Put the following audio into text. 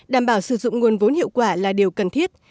đảm bảo sử dụng nguồn vốn hiệu quả là điều cần thiết